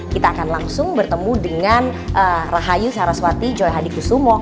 kita akan langsung bertemu dengan rahayu saraswati joy hadi kusumo